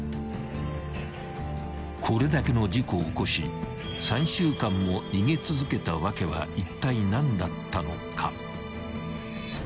［これだけの事故を起こし３週間も逃げ続けた訳はいったい何だったのか］